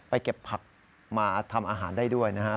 เก็บผักมาทำอาหารได้ด้วยนะครับ